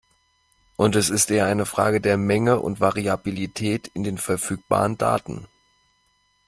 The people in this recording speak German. Und es ist eher eine Frage der Menge und Variabilität in den verfügbaren Daten.